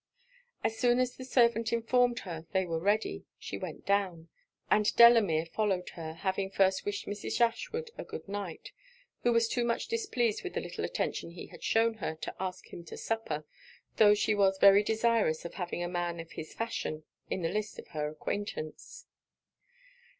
As soon as the servant informed her they were ready, she went down: and Delamere followed her, having first wished Mrs. Ashwood a good night; who was too much displeased with the little attention he had shewn her, to ask him to supper, tho' she was very desirous of having a man of his fashion in the list of her acquaintance.